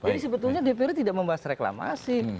jadi sebetulnya dprd tidak membahas reklamasi